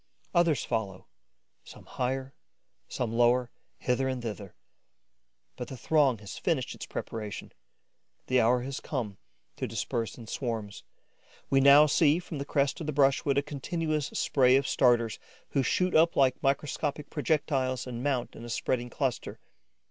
Others follow, some higher, some lower, hither and thither. But the throng has finished its preparations; the hour has come to disperse in swarms. We now see, from the crest of the brushwood, a continuous spray of starters, who shoot up like microscopic projectiles and mount in a spreading cluster.